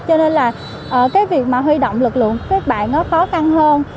cho nên là cái việc mà huy động lực lượng các bạn nó khó khăn hơn